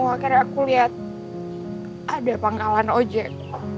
akhirnya aku lihat ada pangkalan ojek